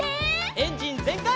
エンジンぜんかい！